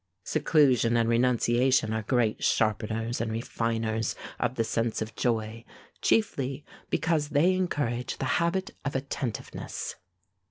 Seclusion and renunciation are great sharpeners and refiners of the sense of joy, chiefly because they encourage the habit of attentiveness.